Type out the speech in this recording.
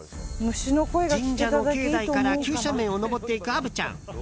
神社の境内から急斜面を登っていく虻ちゃん。